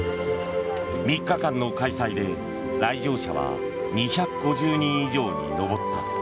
３日間の開催で来場者は２５０人以上に上った。